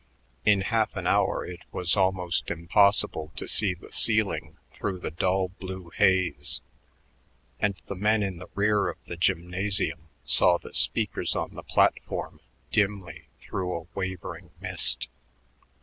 In half an hour it was almost impossible to see the ceiling through the dull blue haze, and the men in the rear of the gymnasium saw the speakers on the platform dimly through a wavering mist.